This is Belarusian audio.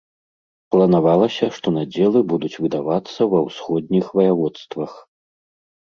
Планавалася, што надзелы будуць выдавацца ва ўсходніх ваяводствах.